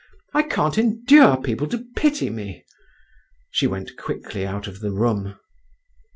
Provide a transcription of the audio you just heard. I can't endure people to pity me." She went quickly out of the room.